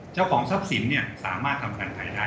เจ้าของทรัพย์สินสามารถทำการขายได้